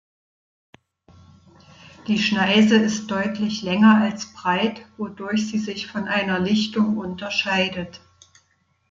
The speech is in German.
Die Schneise ist deutlich länger als breit, wodurch sie sich von einer Lichtung unterscheidet.